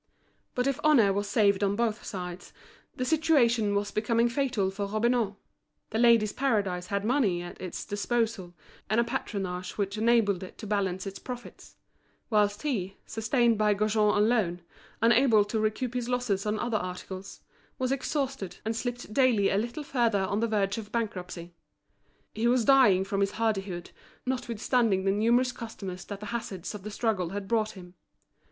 But if honour was saved on both sides, the situation was becoming fatal for Robineau. The Ladies' Paradise had money at its disposal and a patronage which enabled it to balance its profits; whilst he, sustained by Gaujean alone, unable to recoup his losses on other articles, was exhausted, and slipped daily a little further on the verge of bankruptcy. He was dying from his hardihood, notwithstanding the numerous customers that the hazards of the struggle had brought him.